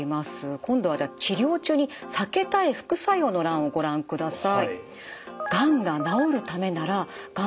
今度はじゃあ治療中に避けたい副作用の欄をご覧ください。